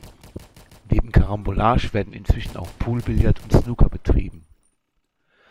Neben Karambolage werden inzwischen auch Poolbillard und Snooker betrieben.